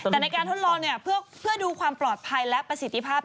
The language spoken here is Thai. แต่ในการทดลองเพื่อดูความปลอดภัยและประสิทธิภาพ